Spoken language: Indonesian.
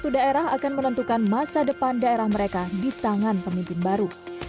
satu daerah akan menentukan masa depan daerah mereka di tangan pemimpin baru